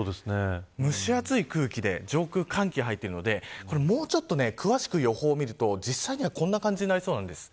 蒸し暑い空気で上空に寒気が入っているのでもうちょっと詳しく予報を見ると実際にはこんな感じになりそうなんです。